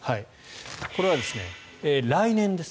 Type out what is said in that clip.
これは来年です。